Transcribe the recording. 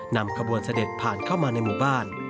นำขบวนเสด็จผ่านเข้ามาในหมู่บ้าน